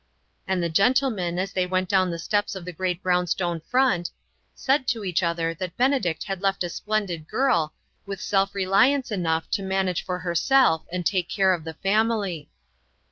And the gentlemen, as they went down WHY ? 35 the steps of the great brownstone front, said to each other that Benedict had left a splendid girl, with self reliance enough to man age for herself and take care of the family.